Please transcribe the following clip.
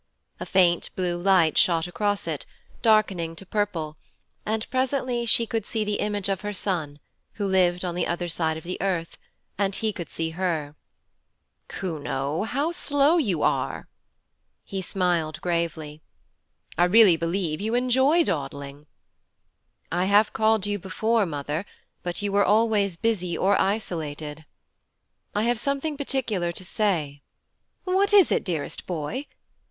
A faint blue light shot across it, darkening to purple, and presently she could see the image of her son, who lived on the other side of the earth, and he could see her. 'Kuno, how slow you are.' He smiled gravely. 'I really believe you enjoy dawdling.' 'I have called you before, mother, but you were always busy or isolated. I have something particular to say.' 'What is it, dearest boy?